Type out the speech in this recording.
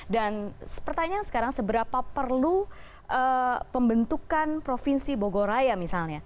dan pertanyaan sekarang seberapa perlu pembentukan provinsi bogoraya misalnya